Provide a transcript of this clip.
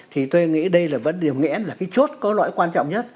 thì tôi nghĩ đây là vấn đề nghẽn là cái chốt có loại quan trọng nhất